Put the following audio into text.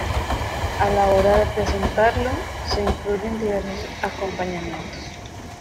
A la hora de presentarlo, se incluyen diversos acompañamientos.